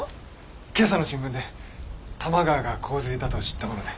今朝の新聞で多摩川が洪水だと知ったもので。